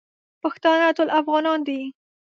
پښتانه ټول افغانان دی